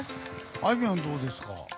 あいみょん、どうですか？